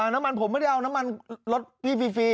น้ำมันผมไม่ได้เอาน้ำมันรถพี่ฟรี